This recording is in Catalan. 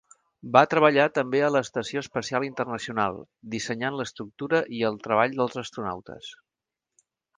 Va treballar també a l'Estació Espacial Internacional, dissenyant l'estructura i el treball dels astronautes.